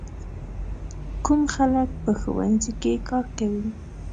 کوم خلک په ښوونځي کې کار کوي؟